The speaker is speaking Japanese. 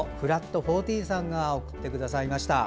４．Ｔさんが送ってくださいました。